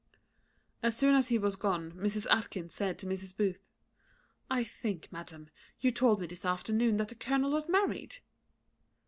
As soon as he was gone Mrs. Atkinson said to Mrs. Booth, "I think, madam, you told me this afternoon that the colonel was married?"